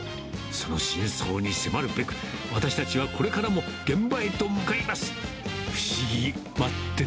その真相に迫るべく、私たちはこれからも現場へと向かいます。